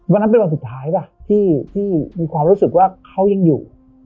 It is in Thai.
วันนั้นเป็นวันสุดท้ายป่ะที่มีความรู้สึกว่าเขายังอยู่